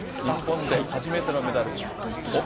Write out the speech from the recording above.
日本で初めてのメダル。